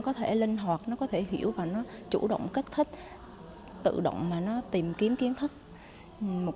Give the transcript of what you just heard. có thể linh hoạt nó có thể hiểu và nó chủ động kích thích tự động mà nó tìm kiếm kiến thức